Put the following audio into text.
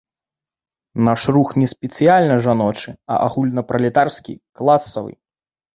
Наш рух не спецыяльна жаночы, а агульнапралетарскі, класавы.